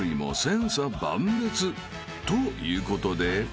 ［ということで］